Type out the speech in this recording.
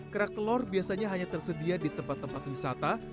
kerak telur biasanya hanya tersedia di tempat tempat wisata